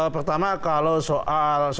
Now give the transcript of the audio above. pertama kalau soal